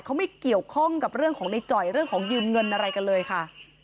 เขาไม่เกี่ยวข้องกับเรื่องของในจ่อยเรื่องของยืมเงินอะไรกันเลยค่ะ